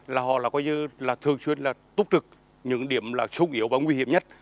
là họ là coi như là thường xuyên là túc trực những điểm là sung yếu và nguy hiểm nhất